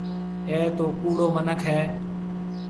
اَي تو ڪُوڙو مِنک هيَ۔